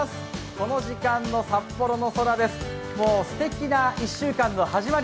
この時間の札幌の空です。